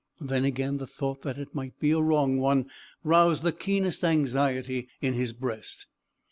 Then again, the thought that it might be a wrong one roused the keenest anxiety in his breast.